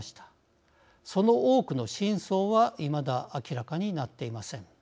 その多くの真相はいまだ明らかになっていません。